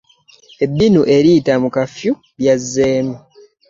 Ebbinu eriyita mu kafiyu lyazzemu.